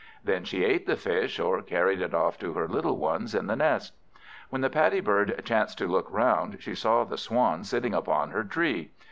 Then she ate the fish, or carried it off to her little ones in the nest. When the Paddy bird chanced to look round, she saw the Swan sitting upon her tree.